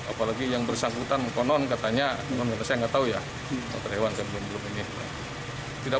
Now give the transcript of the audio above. apalagi yang bersangkutan konon katanya menurut saya enggak tahu ya terlewatkan belum ini tidak